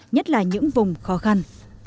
nhất là những vùng khó khăn